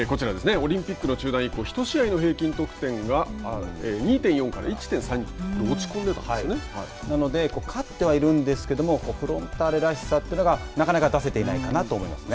オリンピックの中断以降１試合の平均得点が２．４から１．３になので、勝ってはいるんですけれどもフロンターレらしさというのがなかなか出せていないかなと思いますね。